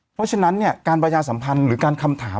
เพราะฉะนั้นเนี่ยการประชาสัมพันธ์หรือการคำถาม